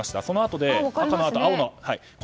そのあとで青の。